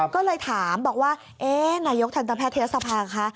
ก็เลยถามบอกว่าเอ๊ะนายกทันตแพทยศภาคะ